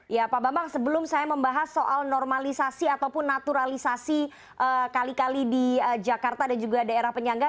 ya pak bambang sebelum saya membahas soal normalisasi ataupun naturalisasi kali kali di jakarta dan juga daerah penyangga